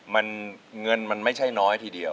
มันเงินมันไม่ใช่น้อยทีเดียว